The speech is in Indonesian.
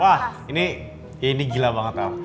wah ini ini gila banget al